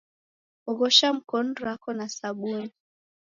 Oghosha mkonu rako na sabuni